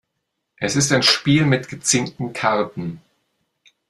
Es ist ein Spiel mit gezinkten Karten.